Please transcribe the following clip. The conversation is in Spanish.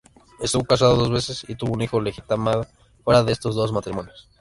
Estuvo casado dos veces y tuvo un hijo legitimado fuera de estos dos matrimonios.